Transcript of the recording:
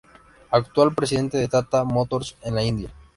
Actual Presidente de Tata Motors en la India.